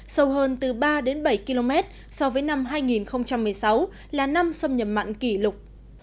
sâu hơn từ ba đến bảy km so với năm hai nghìn một mươi sáu là năm xâm nhập mặn kỷ lục